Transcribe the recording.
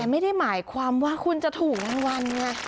แต่ไม่ได้หมายความว่าคุณจะถูกวัน